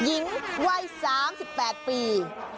หญิงไหว้๓๘ปี